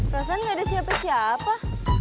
rasanya ada siapa siapa